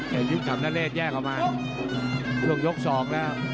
เห็นยุคถามนาเลชแยกออกมาช่วงยก๒แล้ว